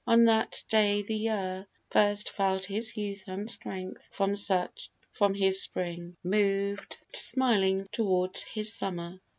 On that day the year First felt his youth and strength, and from his spring Moved smiling toward his summer.